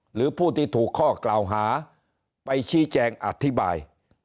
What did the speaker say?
หรือผู้ที่ถูกข้อกล่าวหาไปชี้แจงอธิบาย